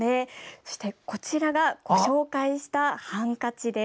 そして、こちらがご紹介したハンカチです。